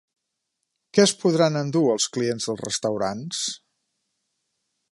Què es podran endur els clients dels restaurants?